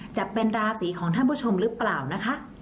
จะเป็นราศีของท่านผู้ชมหรือเปล่านะคะ